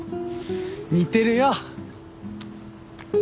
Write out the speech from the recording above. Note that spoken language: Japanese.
似てるよ。